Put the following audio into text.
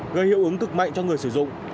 gây hiệu ứng cực mạnh cho người sử dụng